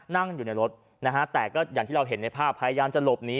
นั่งอยู่ในรถนะฮะแต่ก็อย่างที่เราเห็นในภาพพยายามจะหลบหนี